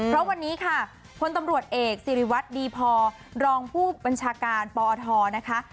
เพราะวันนี้ค่ะพลตำรวจเอกสิริวัตรดีพอรองผู้บัญชาการปอทนะคะ